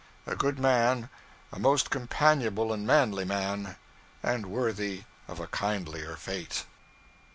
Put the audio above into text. A good man, a most companionable and manly man, and worthy of a kindlier fate.